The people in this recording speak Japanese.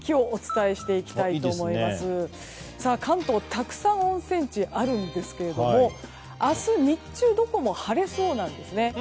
たくさん温泉地あるんですが明日日中どこも晴れそうなんです。